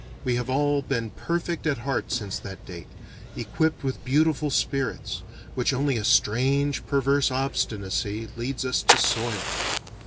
We have all been perfect at heart since that date, equipped with beautiful spirits, which only a strange perverse obstinacy leads us to soil.